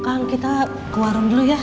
kang kita ke warung dulu ya